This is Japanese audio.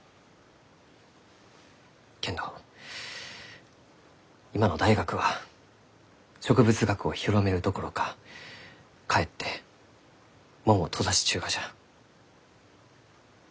けんど今の大学は植物学を広めるどころかかえって門を閉ざしちゅうがじゃ。